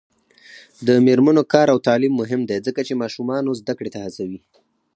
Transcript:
د میرمنو کار او تعلیم مهم دی ځکه چې ماشومانو زدکړې ته هڅوي.